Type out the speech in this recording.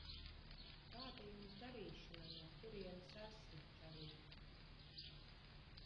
Kāda Jums darīšana no kurienes esmu, čalīt?